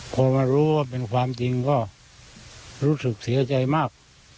พอมารู้ว่าเป็นความจริงก็รู้สึกเสียใจมาก